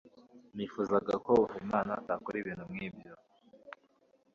Nifuzaga ko Habimana atakora ibintu nkibyo.